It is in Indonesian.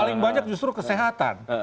paling banyak justru kesehatan